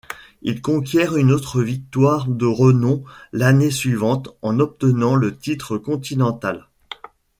Il conquiert une autre victoire de renom l'année suivante en obtenant le titre continental.